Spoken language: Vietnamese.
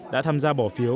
đã tham gia bỏ phiếu